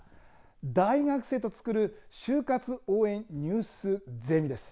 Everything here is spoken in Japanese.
大学生とつくる就活応援ニュースゼミです。